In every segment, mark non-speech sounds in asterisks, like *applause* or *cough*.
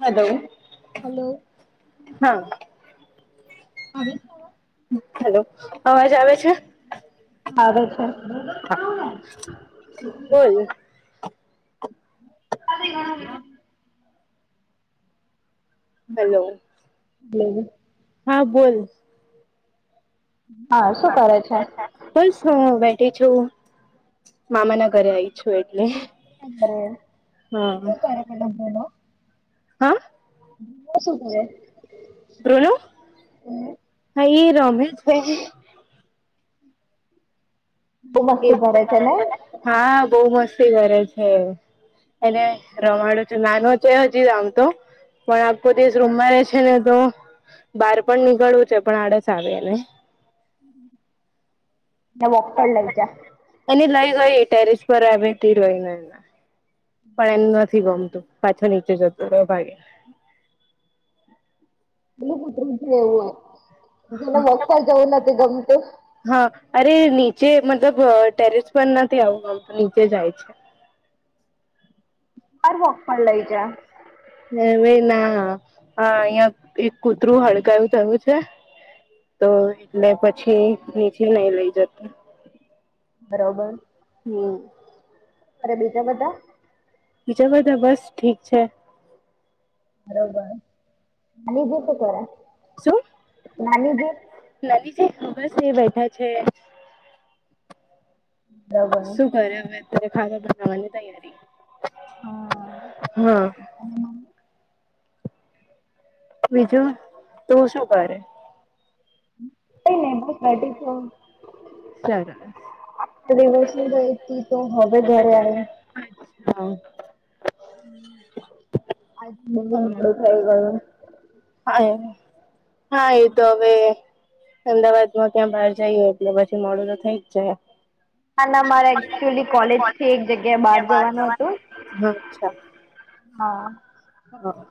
Hello hello હા હવે તો હલો અવાજ આવે છે હા, છે. બોલ. અ ગણ *unintelligible* હલો. હમ. હા, બોલ. હા. શું કરે છે? બસ, હું બેઠી છું. મામા ના ઘરે આવીઈ છું, એટલે હા. હલો, બોલો? હા. શુંુંવે *unintelligible* કોનું? હાઈ, રોમેશ ભાઈ. બહુ મસ્તી કરે છે ને હા, બહુ મસ્તી કરે છે. એને રમાડું છું, નાનો છે, હજી આમ તો. પણ આખો દિવસ રૂમમાં રહે છે ને, તો બહાર પણ નીકળવું છે, પણ આડસ આવે ને. વોપર લઈ જા. એ લઈ ગઈ, ટેરેસ પર એરય ને એ. પણ એમ નથી ગમતું, પાછો નીચે જતું ભાગે. હમ. એેલું પુતરું છે, એવું હોય, જેને વક પર જવું નથી ગમતું. હા, અરે નીચે મતલબ ટેરેસ પણ નથી, આવું આવતું નીચે જાય છે. બ વોક પણ લઈ જા. હવે ના અહિયાં એક કૂતરું હડકાયું થયું છે. તો એટલે પછી નીચે નઈ લઈ જ. બરોબર. હમ. અરે બીજા બધા. બીજા બધા બસ ઠીક છે. બરોબર, નાની દ શ કર નાની દ *unintelligible* નાનીજી બસ એ બેઠા છે. બરોબર. શું કરે? હવે અત ખાધા બનાવવાની તૈયારી હા. હા. અને બીજું તું શું કરે? કઈ નહીં બસ બેઠી છે. સરસ દિવસું ગઈ હતી, તો હવે ઘરે આવી. અચ્છા. આજ મોડું થઈ ગયું. હા, એ હા, એ તો હવે. અમદાવાદ માં ક્યાં બહાર જઈએ હોય, એટલે પછી મોડું તો થઈ જ જાય. હા, ના, મારે બહાર એકચુલી કોલેજ થી એક જગ્યાએ બહાર જવાનું હતું. હા. હા.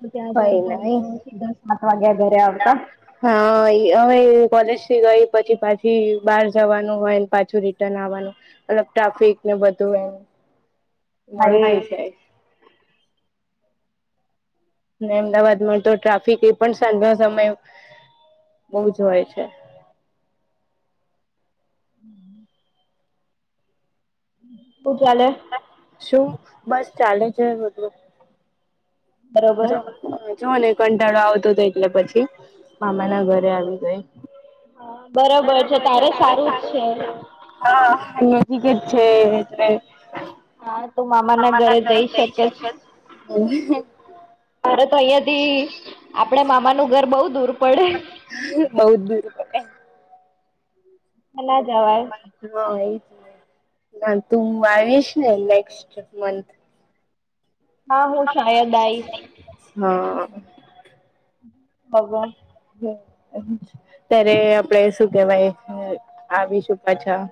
હ, ત્યાં જ થડે, સીધા સાત વાગ્યા ઘરે આવતા. હા, હવે કોલેજ થી ગઈ પછી, પાછી બહાર જવાનું હોય, પાછું રી નું ટ્રાફિક ને, બધું એ હા મોડું એ થઈ જાય. ને અમદાવાદ માં તો ટ્રાફિક એ, પણ સાંજા સમય બહુ જ હોય છે. હમ. પૂજલે. શું બસ ચાલે છે? મતલ બરોબર જો ને કંટાળો આવતો હતો, એટલે પછી મામા ના ઘરે આવી ગાય હા, બરોબર છે, તારે સારું જ છે. હા, નજીક જ છે. હા, તું મામા ના ઘરે જઈ શકે છે. મારે તો અહીંથી આપડે મામા નું ઘર બઉુ દૂર પડે. બહુત દૂર પડે. ના જવાય. *unintelligible* હા, એ જ તું આવીશ ને, નેક્સ્ટ મંથ હા, હ, શાયદ આઈ *unintelligible* હવો. ત્યારે આપડે શું કેવાય, આવીશ. અચ્છા,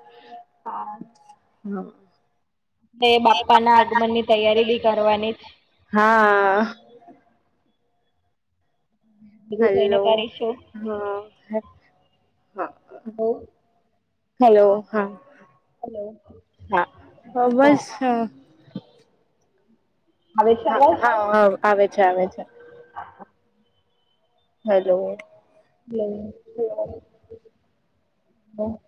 હમ. તે બાપા ના આગમન ની તૈયારી બી કરવાની. *unintelligible* ભેગું થઈને હલો, કરીશું. હા, હા. હલો હેલો, હા, હા, હા બસ. આવે છે હા, અવાજ? હા, હા, આવે છે, આવે છે. હલોલો. હમ, હ.